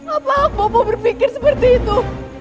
apa hak bopo berpikir seperti itu